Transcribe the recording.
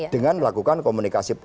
dengan melakukan komunikasi